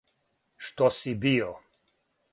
Што си био?